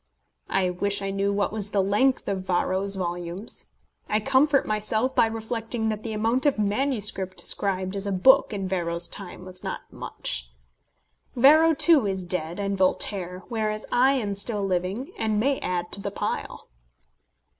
I wish I knew what was the length of Varro's volumes; I comfort myself by reflecting that the amount of manuscript described as a book in Varro's time was not much. Varro, too, is dead, and Voltaire; whereas I am still living, and may add to the pile.